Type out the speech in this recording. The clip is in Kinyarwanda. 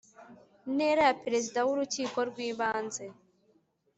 ntera ya Perezida w Urukiko rw Ibanze